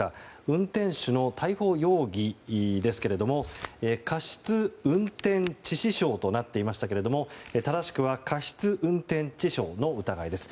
運転手の逮捕容疑ですけれど過失運転致死傷となっていましたが正しくは過失運転致傷の疑いです。